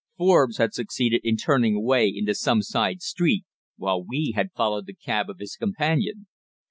Forbes had succeeded in turning away into some side street, while we had followed the cab of his companion.